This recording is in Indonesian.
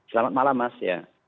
selamat malam mas